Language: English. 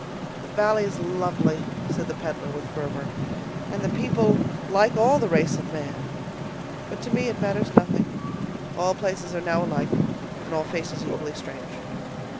"The valley is lovely," said the peddler, with fervor, "and the people like all the race of man. But to me it matters nothing; all places are now alike, and all faces equally strange."